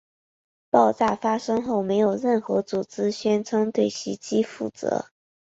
爆炸发生后没有任何组织宣称对袭击负责。